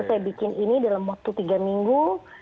jadi saya bikin ini dalam waktu tiga minggu